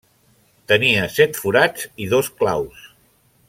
Tenia set forats i dos claus.